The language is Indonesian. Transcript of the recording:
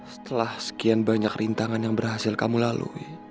setelah sekian banyak rintangan yang berhasil kamu lalui